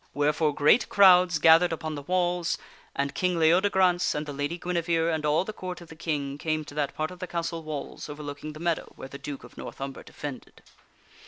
Wherefore great crowds gath ered upon the walls, and King Leodegrance and the Lady Guinevere and ail the Court of the King came to that part of the castle walls overlooking the meadow where the Duke of North Umber defended.